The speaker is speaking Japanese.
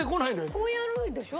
こうやるでしょ？